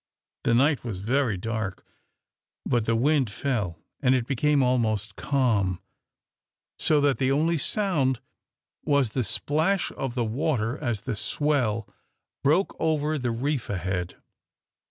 The night was very dark, but the wind fell, and it became almost calm, so that the only sound was the splash of the water as the swell broke over the reef ahead.